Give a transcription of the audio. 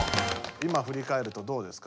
今ふりかえるとどうですか？